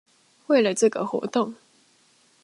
為了這個活動